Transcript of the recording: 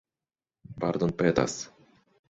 pardonpetas